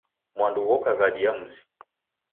Mwandu ghoka ghadi ya mzi.